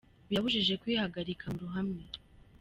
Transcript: Birabujijwe kwihagarika mu ruhame.